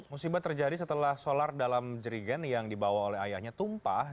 musibah terjadi setelah solar dalam jerigen yang dibawa oleh ayahnya tumpah